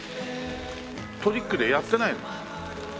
トリックでやってないの？